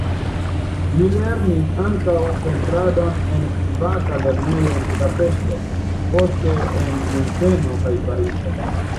Li lernis ankaŭ pentradon en privata lernejo en Budapeŝto, poste en Munkeno kaj Parizo.